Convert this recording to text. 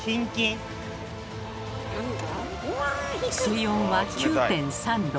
水温は９．３℃。